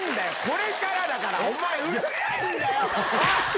これからだから！